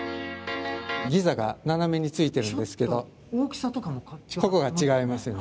ギザが斜めについてるんですけどちょっと大きさとかもここが違いますよね